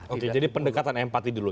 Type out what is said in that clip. oke jadi pendekatan empati dulu